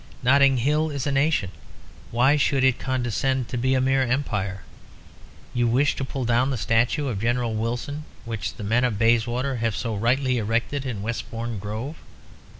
Notting Hill is a nation. Why should it condescend to be a mere Empire? You wish to pull down the statue of General Wilson, which the men of Bayswater have so rightly erected in Westbourne Grove.